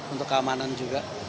untuk keamanan juga